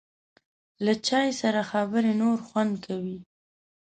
له چای سره خبرې نور خوند کوي.